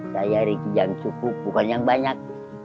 saya riki yang cukup bukan yang banyak